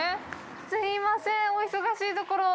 すいません、お忙しいところ。